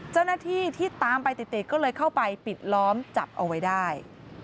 เจ้าหน้าที่ที่ตามไปติดก็เลยเข้าไปปิดล้อมจับเอาไว้ได้